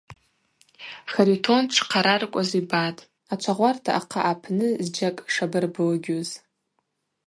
Харитон дшхъараркӏваз йбатӏ, ачвагъварта ахъа апны зджьакӏ шабарблыгьуз.